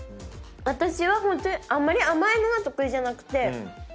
私はあんまり甘いのが得意じゃなくて。